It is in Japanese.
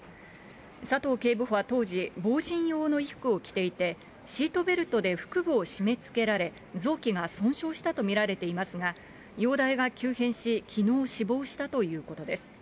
佐藤警部補は当時、防じん用の衣服を着ていて、シートベルトで腹部を締めつけられ、臓器が損傷したと見られていますが、容体が急変し、きのう死亡したということです。